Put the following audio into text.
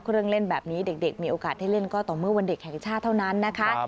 เล่นแบบนี้เด็กมีโอกาสได้เล่นก็ต่อเมื่อวันเด็กแห่งชาติเท่านั้นนะคะ